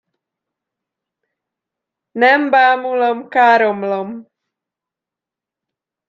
Nem bámulom, káromlom.